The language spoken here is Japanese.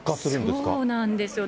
そうなんですよ。